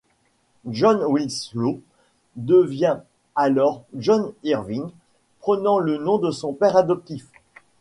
John Winslow devient alors John Irving, prenant le nom de son père adoptif.